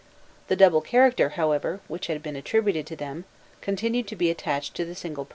The double character, however, which had been attributed to them continued to be attached to the single personality.